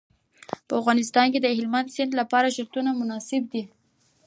په افغانستان کې د هلمند سیند لپاره شرایط مناسب دي.